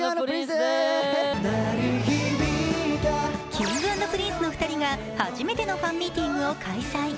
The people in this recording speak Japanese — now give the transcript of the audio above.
Ｋｉｎｇ＆Ｐｒｉｎｃｅの２人が初めてのファンミーティングを開催。